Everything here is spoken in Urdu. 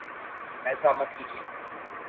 ایسا مت کیجیے